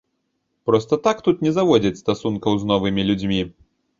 Проста так тут не заводзяць стасункаў з новымі людзьмі.